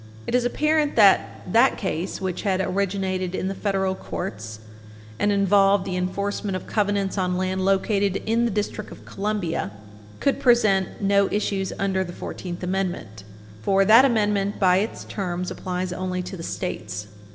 It is apparent that that case, which had originated in the federal courts and involved the enforcement of covenants on land located in the District of Columbia, could present no issues under the Fourteenth Amendment, for that Amendment, by its terms, applies only to the States.